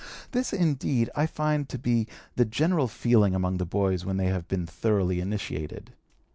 This, indeed, I find to be the general feeling among the boys when they have been thoroughly initiated.